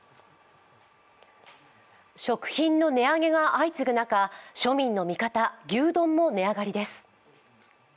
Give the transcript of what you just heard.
食品の値上げが相次ぐ中庶民の味方牛丼も値上がりです。